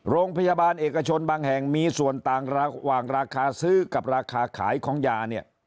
โรงพยาบาลเอกชนบางแห่งมีส่วนต่างระหว่างราคาซื้อกับราคาขายของยาเนี่ย